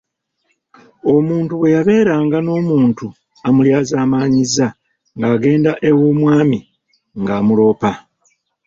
Omuntu bwe yabeeranga n’omuntu amulyazaamaanyizza ng’agenda ew’omwami ng’amuloopa.